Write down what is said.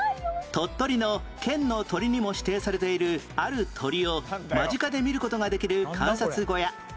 鳥取の県の鳥にも指定されているある鳥を間近で見る事ができる観察小屋